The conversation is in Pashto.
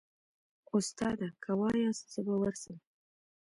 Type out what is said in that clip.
استاده که واياست زه به ورسم.